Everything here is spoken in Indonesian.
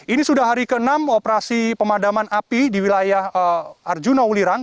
ini sudah hari ke enam operasi pemadaman api di wilayah arjuna ulirang